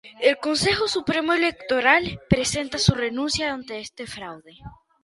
El Consejo Supremo Electoral presenta su renuncia ante este fraude.